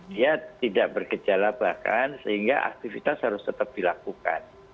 dia tidak bergejala bahkan sehingga aktivitas harus tetap dilakukan